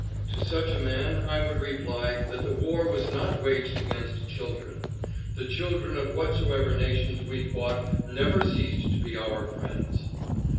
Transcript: To such a man I would reply that the war was not waged against children. The children of whatsoever nations we fought never ceased to be our friends.